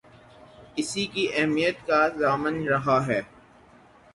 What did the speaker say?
اس کی اہمیت کا ضامن رہا ہے